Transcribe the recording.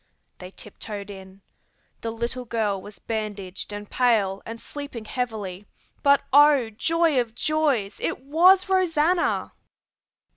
They tiptoed in. The little girl was bandaged and pale and sleeping heavily; but oh, joy of joys, it was Rosanna!